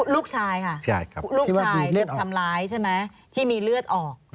ลูกชายค่ะลูกชายถูกทำร้ายใช่ไหมที่มีเลือดออก